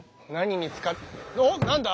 おおっ何だ。